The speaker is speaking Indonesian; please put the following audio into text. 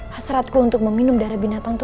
hasratku untuk meminum darah binatang itu